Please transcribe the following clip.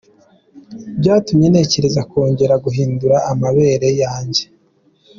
byatumye ntekereza kongera guhindura amabere yanjye.